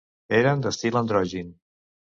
Eren d'estil androgin.